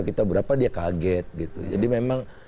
kita berapa dia kaget gitu jadi memang